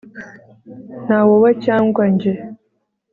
Nta wowe cyangwa njye